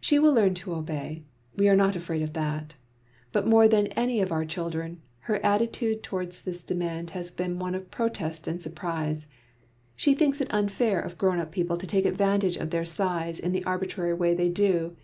She will learn to obey, we are not afraid about that; but more than any of our children, her attitude towards this demand has been one of protest and surprise. She thinks it unfair of grown up people to take advantage of their size in the arbitrary way they do.